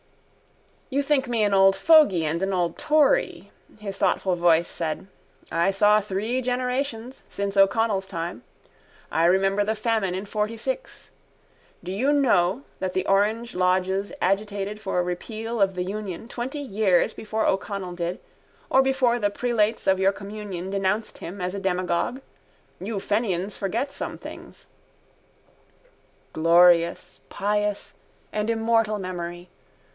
—You think me an old fogey and an old tory, his thoughtful voice said. I saw three generations since O'Connell's time. I remember the famine in '46. Do you know that the orange lodges agitated for repeal of the union twenty years before O'Connell did or before the prelates of your communion denounced him as a demagogue? You fenians forget some things. Glorious, pious and immortal memory.